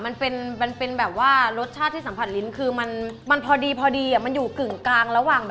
มันเป็นมันเป็นแบบว่ารสชาติที่สัมผัสลิ้นคือมันพอดีพอดีมันอยู่กึ่งกลางระหว่าง